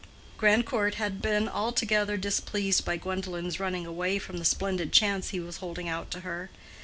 Grandcourt had not been altogether displeased by Gwendolen's running away from the splendid chance he was holding out to her.